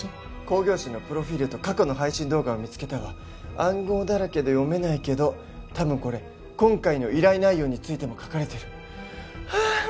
興行師のプロフィールと過去の配信動画を見つけたわ暗号だらけで読めないけど多分これ今回の依頼内容についても書かれてるはあっ